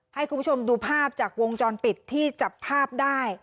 ให้คุณผู้ชมดูภาพจากวงจรปิดที่จับภาพได้